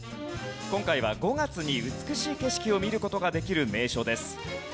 今回は５月に美しい景色を見る事ができる名所です。